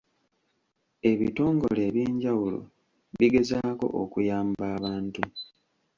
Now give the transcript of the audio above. Ebitongole eby'enjawulo bigezaako okuyamba abantu.